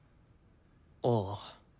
ああ。